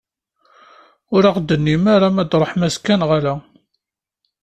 Ur aɣ-d-tennim ara ma ad d-truḥem azekka neɣ ala?